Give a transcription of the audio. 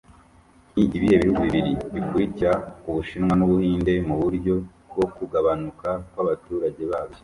Ni ibihe bihugu bibiri bikurikira Ubushinwa n'Ubuhinde mu buryo bwo kugabanuka kw'abaturage bayo